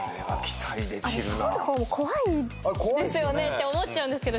あれ取る方も怖いって思っちゃうんですけど。